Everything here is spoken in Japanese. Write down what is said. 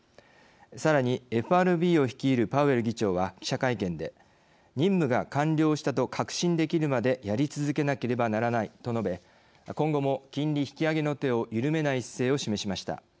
さらにＦＲＢを率いるパウエル議長は記者会見で「任務が完了したと確信できるまでやり続けなければならない」と述べ今後も金利引き上げの手を緩めない姿勢を示しました。